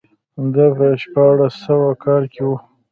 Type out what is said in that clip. دا په شپاړس سوه کال کې و.